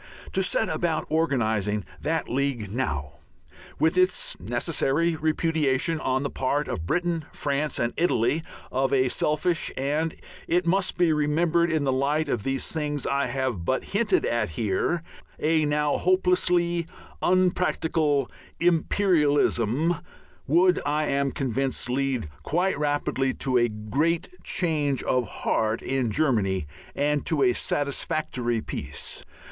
To set about organizing that League now, with its necessary repudiation on the part of Britain, France, and Italy, of a selfish and, it must be remembered in the light of these things I have but hinted at here, a now hopelessly unpracticable imperialism, would, I am convinced, lead quite rapidly to a great change of heart in Germany and to a satisfactory peace.